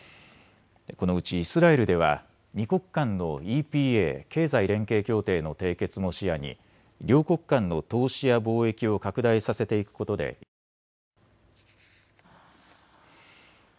このうちイスラエルでは２国間のＥＰＡ・経済連携協定の締結も視野に両国間の投資や貿易を拡大させていくことで一致しました。